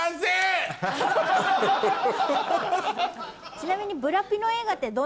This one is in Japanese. ちなみに。